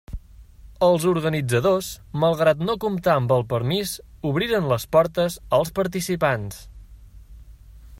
Els organitzadors, malgrat no comptar amb el permís, obriren les portes als participants.